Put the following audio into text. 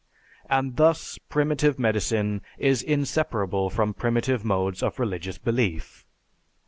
And thus primitive medicine is inseparable from primitive modes of religious belief.